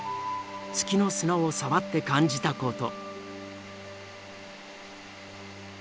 月の砂を触って感じたこと。